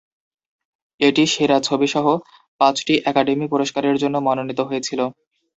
এটি সেরা ছবি সহ পাঁচটি একাডেমি পুরষ্কারের জন্য মনোনীত হয়েছিল।